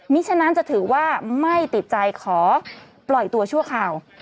ฉะนั้นจะถือว่าไม่ติดใจขอปล่อยตัวชั่วคราว